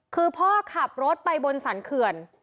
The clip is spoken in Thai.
คือพ่อขับรถไปบนสรรเขื่อน